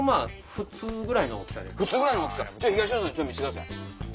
普通ぐらいの大きさ東野さん見せてください。